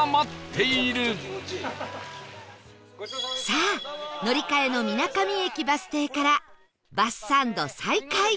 さあ乗り換えの水上駅バス停からバスサンド再開！